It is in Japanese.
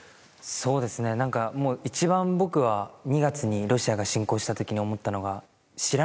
そうですね何かもう一番僕は２月にロシアが侵攻した時に思ったのが。